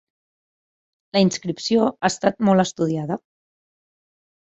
La inscripció ha estat molt estudiada.